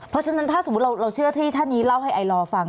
เพราะฉะนั้นถ้าสมมุติเราเชื่อที่ท่านนี้เล่าให้ไอลอร์ฟัง